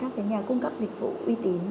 lựa chọn các cái nhà cung cấp dịch vụ uy tín